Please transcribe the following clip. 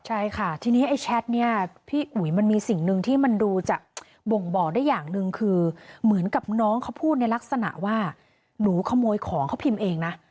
ใช่ค่ะทีนี้ไอ้แชทเนี่ยพี่อุ๋ยมันมีสิ่งหนึ่งที่มันดูจะบ่งบอกได้อย่างหนึ่งคือเหมือนกับน้องเขาพูดในลักษณะว่าหนูขโมยของเขาพิมพ์เองนะ